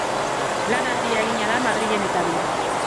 Lan handia egina da Madrilen eta Bilbon.